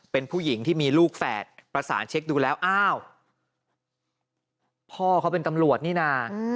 เป็นผู้หญิงที่มีลูกแฝดประสานเช็คดูแล้วอ้าวพ่อเขาเป็นตำรวจนี่นะ